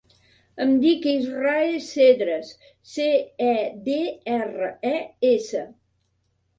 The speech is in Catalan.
Em dic Israe Cedres: ce, e, de, erra, e, essa.